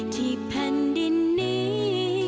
ที่แผ่นดินนี้